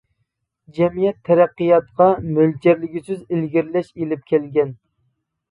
جەمئىيەت تەرەققىياتىغا مۆلچەرلىگۈسىز ئىلگىرىلەش ئېلىپ كەلگەن.